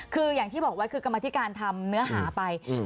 คืออย่างที่บอกว่ากรรมธิการทำเนื้อหาไป